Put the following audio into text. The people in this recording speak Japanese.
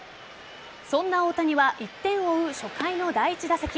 そんな大谷は１点を追う初回の第１打席。